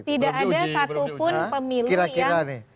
belum di uji tidak ada satupun pemilu yang